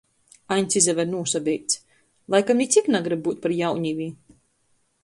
Aņds izaver nūsabeids, laikam nicik nagrib byut par jaunivi.